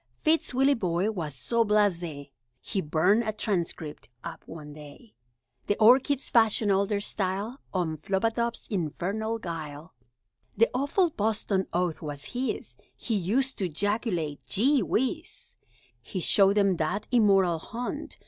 Fitz Willieboy was so blasé, He burned a Transcript up one day! The Orchids fashioned all their style On Flubadub's infernal guile. That awful Boston oath was his He used to 'jaculate, "Gee Whiz!" He showed them that immoral haunt.